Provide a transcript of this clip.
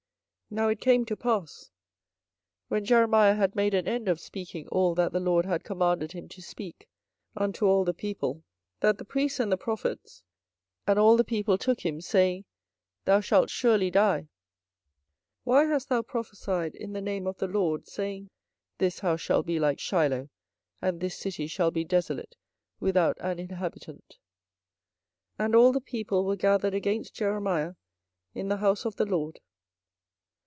24:026:008 Now it came to pass, when Jeremiah had made an end of speaking all that the LORD had commanded him to speak unto all the people, that the priests and the prophets and all the people took him, saying, Thou shalt surely die. 24:026:009 Why hast thou prophesied in the name of the LORD, saying, This house shall be like Shiloh, and this city shall be desolate without an inhabitant? And all the people were gathered against Jeremiah in the house of the LORD.